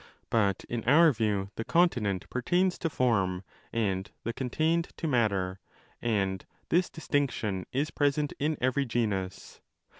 But in our view the continent pertains to form and the contained to matter: and this distinction is present in every genus."